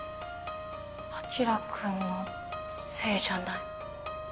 「晶くんのせいじゃない」。